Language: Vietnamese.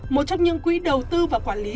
một trong những quỹ đầu tư và quản lý